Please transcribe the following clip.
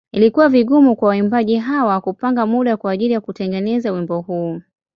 Ilikuwa vigumu kwa waimbaji hawa kupanga muda kwa ajili ya kutengeneza wimbo huu.